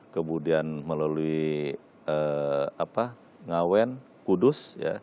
kemudian melalui ngawen kudus